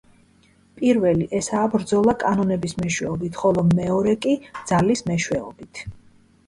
პირველი ესაა ბრძოლა კანონების მეშვეობით, ხოლო მეორე კი ძალის მეშვეობით.